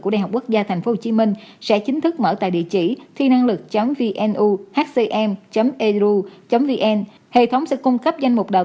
của đại học quốc gia tp hcm sẽ chính thức mở tại địa chỉ thi năng lực vnu hcm edu vn